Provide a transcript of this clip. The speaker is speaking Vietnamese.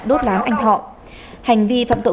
đốt lám anh thọ hành vi phạm tội